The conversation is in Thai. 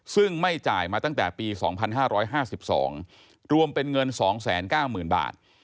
ซึ่งไม่จ่ายมาตั้งแต่ปี๒๕๕๒รวมเป็นเงิน๒๙๐๐๐บาท